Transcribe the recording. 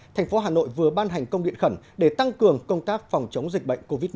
thành phố hà nội vừa ban hành công điện khẩn để tăng cường công tác phòng chống dịch bệnh covid một mươi chín